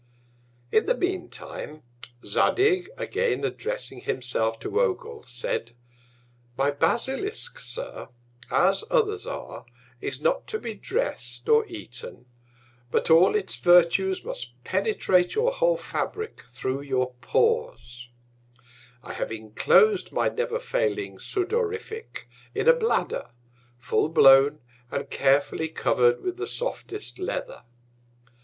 In the mean Time, Zadig, again addressing himself to Ogul, said; my Basilisk, Sir, as others are, is not to be drest or eaten; but all its Virtues must penetrate your whole Fabrick, thro' your Pores; I have inclos'd my never failing Sudorific in a Bladder, full blown and carefully cover'd with the softest Leather.